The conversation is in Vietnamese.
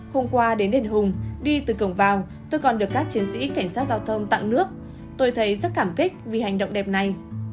hôm qua đến đền hùng đi từ cổng vào tôi còn được các chiến sĩ cảnh sát giao thông tặng nước tôi thấy rất cảm kích vì hành động đẹp này